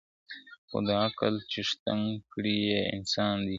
خو د عقل څښتن کړی یې انسان دی `